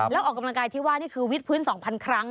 แล้วออกกำลังกายที่ว่านี่คือวิทย์พื้น๒๐๐ครั้ง